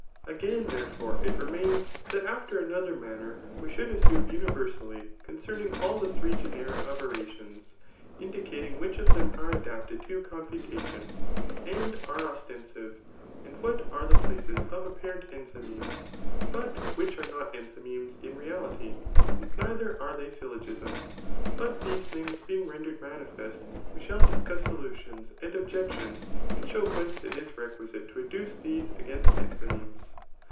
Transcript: Again, therefore, it remains that after another manner we should assume universally concerning all [the three CHAP. ZXIV. RHBTORIC« 177 genera of orations,] indicating which of thetn are dd^pt^d to confutation, and are ostensive, and what are the pUces^ of aj^arent enthymemes, but which are not enthynleines in reality, since ndther are they syllogisms. But .these things being rendered manifest, we shall discuss solutiono and objections, and show whence it is requisite to adduce these against enthymemes.